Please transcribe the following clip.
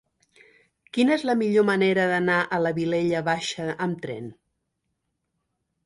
Quina és la millor manera d'anar a la Vilella Baixa amb tren?